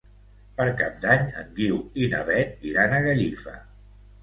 Per Cap d'Any en Guiu i na Beth iran a Gallifa.